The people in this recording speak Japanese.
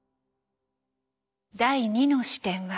第２の視点は。